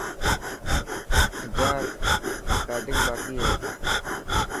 اڄان رڪارڊنگ باڪي هي.